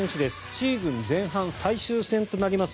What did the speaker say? シーズン前半最終戦となります